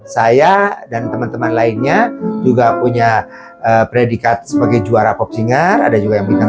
saya dan teman teman lainnya juga punya predikat sebagai juara pop singar ada juga yang bilang